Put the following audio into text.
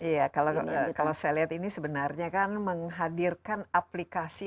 iya kalau saya lihat ini sebenarnya kan menghadirkan aplikasi